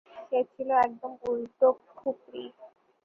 সে ছিল একদম উল্টো খুপরি।